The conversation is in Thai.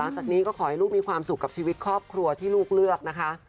จากนี้ก็ขอให้ลูกมีความสุขกับชีวิตครอบครัวที่ลูกเลือกนะคะ